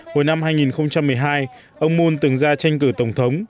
hồi năm hai nghìn một mươi hai ông moon từng ra tranh cử tổng thống